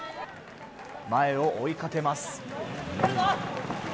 前を追いかけます。